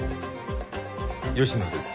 芳野です。